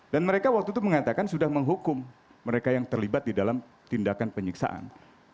dan mereka waktu itu mengatakan sudah menghukum mereka yang terlibat di dalam tindakan penyiksaan